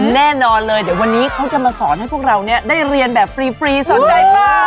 แน่นอนเลยเดี๋ยววันนี้เขาจะมาสอนให้พวกเราได้เรียนแบบฟรีสนใจเปล่า